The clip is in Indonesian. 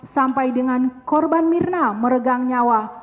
sampai dengan korban mirna meregang nyawa